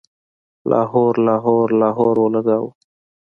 لاهور، لاهور، لاهور اولګوو